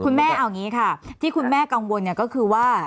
แม่เอาอย่างนี้ค่ะที่คุณแม่กังวลก็คือว่า